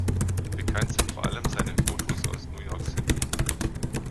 Bekannt sind vor allem seine Fotos aus New York City.